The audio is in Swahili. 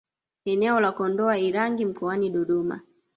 Eneo la Kondoa Irangi mkoani Dodoma